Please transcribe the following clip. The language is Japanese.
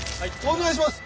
お願いします。